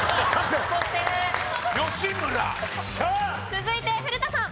続いて古田さん。